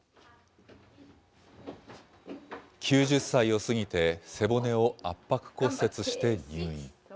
９０歳を過ぎて背骨を圧迫骨折して入院。